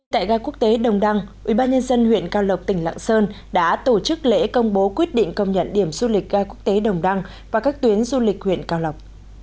tại gai quốc tế đồng đăng ubnd huyện cao lộc tỉnh lạng sơn đã tổ chức lễ công bố quyết định công nhận điểm du lịch gai quốc tế đồng đăng và các tuyến du lịch huyện cao lộc